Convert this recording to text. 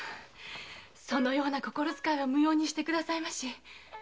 そのような心遣いは無用にして下さいまし。